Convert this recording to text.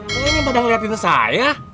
kalian yang pada ngeliat pintu saya